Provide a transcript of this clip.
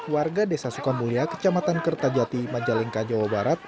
warga desa sukamulya kecamatan kertajati majalengka jawa barat